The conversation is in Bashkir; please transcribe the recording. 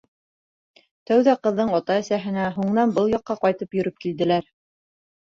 Тәүҙә ҡыҙҙың ата-әсәһенә, һуңынан был яҡҡа ҡайтып йөрөп килделәр.